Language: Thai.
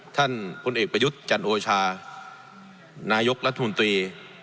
พลเอกประยุทธ์จันโอชานายกรัฐมนตรี